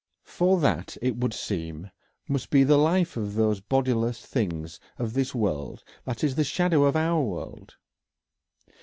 For that, it would seem, must be the life of these bodiless things of this world that is the shadow of our world.